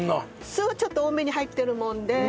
酢をちょっと多めに入ってるもんで。